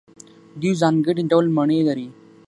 دوی ځانګړي ډول مڼې لري.